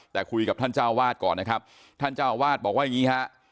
แต่คุยกับท่านเจ้าวาดก่อนนะครับท่านเจ้าอาวาสบอกว่าอย่างนี้ฮะ